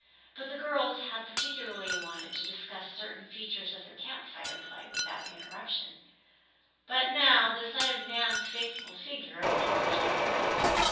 Both the girls had particularly wanted to discuss certain features of their Camp Fire play without interruption, but now the sight of Nan's faithful figure awoke their sympathy.